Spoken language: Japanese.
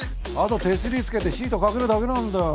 後手すり付けてシートかけるだけなんだよ。